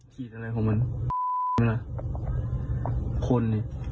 ทำตัว